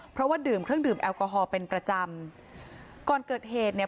เพราะว่าดื่มเครื่องดื่มแอลกอฮอล์เป็นประจำก่อนเกิดเหตุเนี่ย